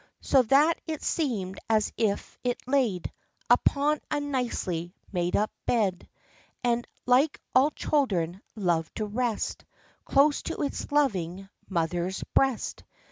23 So that it seemed as if it laid Upon a nicely made up bed, And, like all children, loved to rest Close to its loving mother's breast.